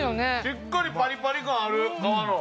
しっかりパリパリ感ある皮の。